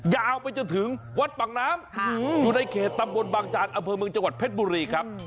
ยาวไปจนถึงวัดปากน้ำอยู่ในเขตตำบลบางจานอำเภอเมืองจังหวัดเพชรบุรีครับ